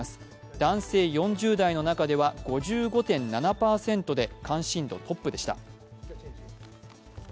男性４０代の中では５５．７％で関心度トップでした。